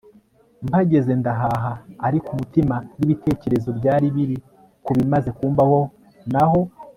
mpageze ndahaha ariko umutima nibitekerezo byari biri kubimaze kumbaho naho